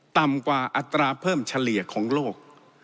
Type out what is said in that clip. ต่ำกว่าอัตราเพิ่มเฉลี่ยของโลก